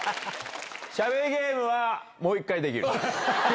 しゃべゲームは、もう１回できる。